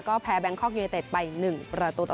ก็แพ้แบงคอกยูเนเต็ดไป๑ประตูต่อ